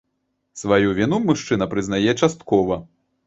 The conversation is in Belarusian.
Сваю віну мужчына прызнае часткова.